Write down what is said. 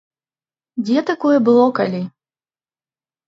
Дзе такое было калі?!